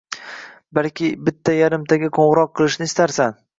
Balki bitta-yarimtaga qo`ng`iroq qilishni istarsan